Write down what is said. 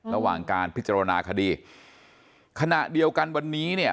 ระหว่างการพิจารณาคดีขณะเดียวกันวันนี้เนี่ย